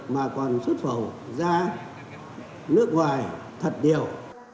mà còn xuất phẩu ra nước ngoài thật điều